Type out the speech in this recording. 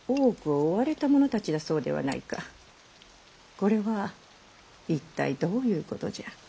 これは一体どういうことじゃ。